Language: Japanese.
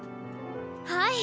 はい。